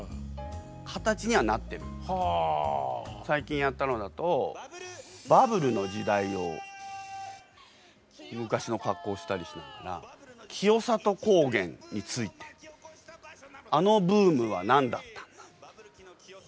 最近やったのだとバブルの時代を昔の格好したりしながら清里高原についてあのブームは何だったんだ。